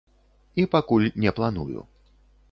І пакуль не планую.